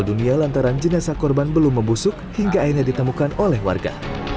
dunia lantaran jenazah korban belum membusuk hingga akhirnya ditemukan oleh warga